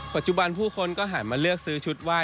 ปัจจุบันผู้คนก็หันมาเลือกซื้อชุดไห้